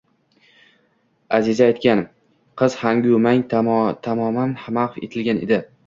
— Аziza aytgan! — Qiz hangu mang, tamoman mahv etilgan edi.